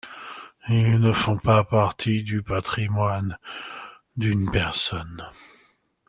Ils ne font pas partie du patrimoine d'une personne.